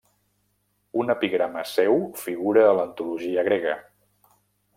Un epigrama seu figura a l'antologia grega.